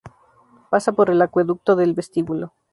Pasa por el "acueducto del vestíbulo".